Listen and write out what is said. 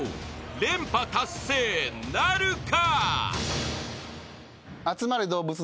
［連覇達成なるか？］